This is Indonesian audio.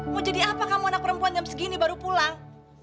mau jadi apa kamu anak perempuan jam segini baru pulang